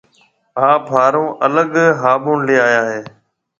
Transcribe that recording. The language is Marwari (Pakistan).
آپ هآرون الگ هابُڻ ليَ آيا هيَ۔